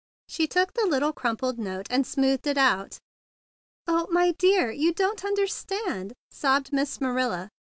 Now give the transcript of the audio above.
She took the little crumpled note and smoothed it out. "O my dear, you don't understand," sobbed Miss Marilla.